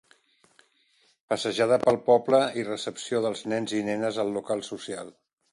Passejada pel poble i recepció dels nens i nenes al Local Social.